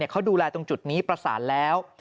เขาดูแลตรงจุดนี้ประสานแล้ว